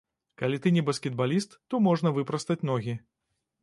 Калі ты не баскетбаліст, то можна выпрастаць ногі.